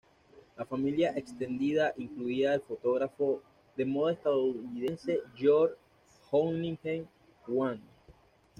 La familia extendida incluía el fotógrafo de moda estadounidense George Hoyningen-Huene.